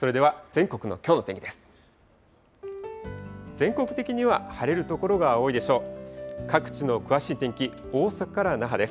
全国的には晴れる所が多いでしょう。